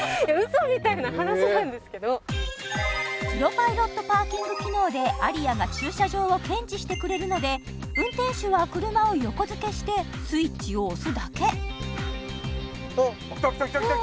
嘘みたいな話なんですけどプロパイロットパーキング機能でＡＲＩＹＡが駐車場を検知してくれるので運転手は車を横づけしてスイッチを押すだけあっきたきたきたきた！